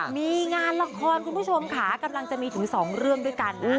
มีงานละครคุณผู้ชมค่ะกำลังจะมีถึง๒เรื่องด้วยกัน